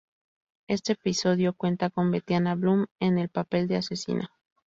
Este episodio cuenta con Betiana Blum, en el papel de asesina.